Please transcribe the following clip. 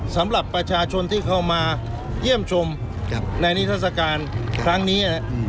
สำหรับประชาชนที่เข้ามาเยี่ยมชมในนิทัศกาลครั้งนี้